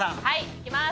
いきます。